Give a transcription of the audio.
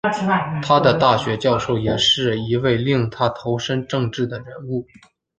他的大学教授也是一位令他投身政治的人物。